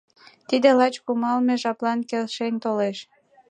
Тиде лач кумалме жаплан келшен толеш.